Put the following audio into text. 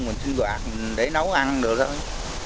mình xin quạt để nấu ăn được thôi